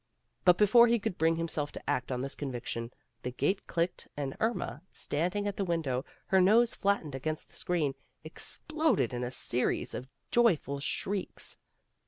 But before he could bring himself to act on this conviction, the gate clicked and Irma, standing at the window, her nose flattened against the screen, exploded in a series of joyful shrieks.